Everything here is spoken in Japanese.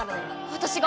私が？